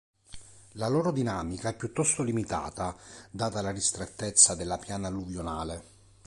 La loro dinamica è piuttosto limitata data la ristrettezza della piana alluvionale.